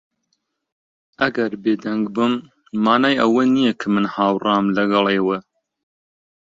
ئەگەر بێدەنگ بم، مانای ئەوە نییە کە من ھاوڕام لەگەڵ ئێوە.